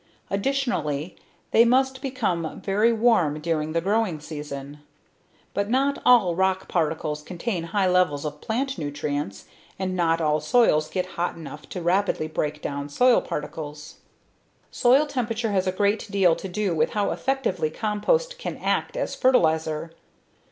Additionally, they must become very warm during the growing season. But not all rock particles contain high levels of plant nutrients and not all soils get hot enough to rapidly break down soil particles. Soil temperature has a great deal to do with how effectively compost can act as fertilizer.